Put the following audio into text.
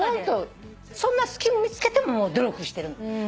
そんな隙も見つけて努力してる。